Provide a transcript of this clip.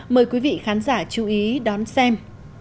mời quý vị khán giả chú ý đón xem